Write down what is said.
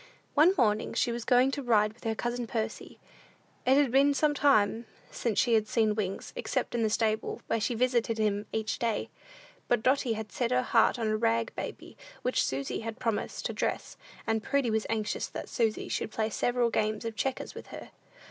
One morning she was going to ride with her cousin Percy. It had been some time since she had seen Wings, except in the stable, where she visited him every day. But Dotty had set her heart on a rag baby which Susy had promised to dress, and Prudy was anxious that Susy should play several games of checkers with her.